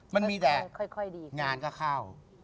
มันมีแต่งานก็เข้า